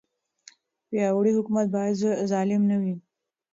پیاوړی حکومت باید ظالم نه وي.